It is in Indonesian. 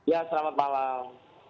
ya selamat malam